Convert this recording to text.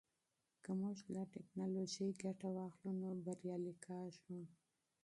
که موږ له ټیکنالوژۍ ګټه واخلو نو بریالي کیږو.